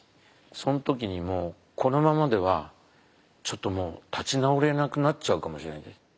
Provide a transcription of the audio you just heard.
その時にもうこのままではちょっともう立ち直れなくなっちゃうかもしれない。